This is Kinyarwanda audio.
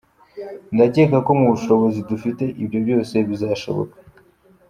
Ndakeka ko mu bushobozi dufite ibyo byose bizashoboka.